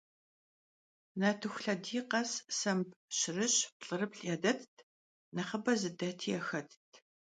Nartıxu lhediy khes semb şırış, plh'ırıplh' yadett, nexhıbe zıdeti yaxett.